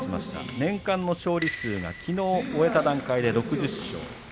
年間の勝利数がきのう終えた段階で６０勝。